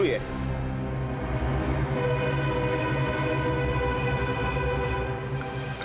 bisa ketok dulu ya